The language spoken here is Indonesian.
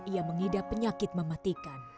ia mengidap penyakit mematikan